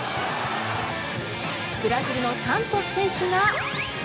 ブラジルのサントス選手が。